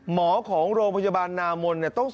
หมอของโรงพยาบาลนามลต้องส่ง